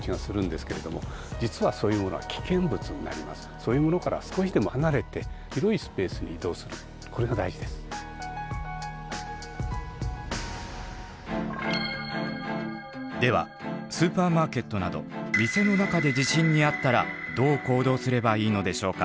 そういうものからではスーパーマーケットなど店の中で地震に遭ったらどう行動すればいいのでしょうか？